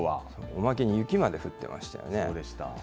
おまけに雪まで降ってましたそうでした。